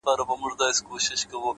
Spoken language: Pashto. زما دردونه د دردونو ښوونځی غواړي،